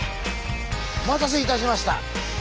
お待たせいたしました。